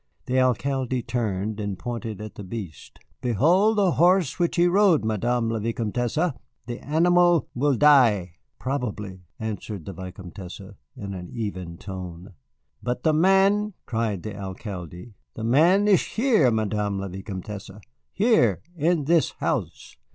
The Alcalde turned and pointed at the beast. "Behold the horse which he rode, Madame la Vicomtesse. The animal will die." "Probably," answered the Vicomtesse, in an even tone. "But the man," cried the Alcalde, "the man is here, Madame la Vicomtesse, here, in this house!"